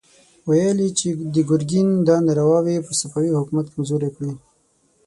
ويې ويل چې د ګرګين دا نارواوې به صفوي حکومت کمزوری کړي.